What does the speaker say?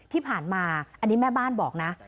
ที่ผ่านมาอันนี้แม่บ้านบอกนะ